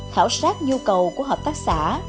thảo sát nhu cầu của hợp tác xã